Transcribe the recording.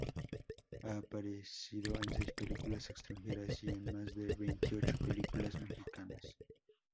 Ha aparecido en seis películas extranjeras y en más de veintiocho películas mexicanas.